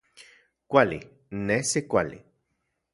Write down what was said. Kuali, nesi kuali